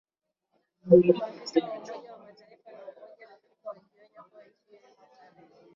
huku maafisa wa Umoja wa Mataifa na Umoja wa Afrika wakionya kuwa nchi hiyo imo hatarini